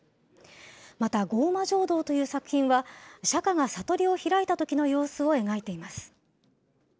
また降魔成道という作品は、釈迦が悟りを開いたときの様子を描いています。